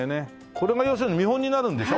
これが要するに見本になるんでしょ？